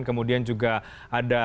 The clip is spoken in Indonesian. kemudian juga ada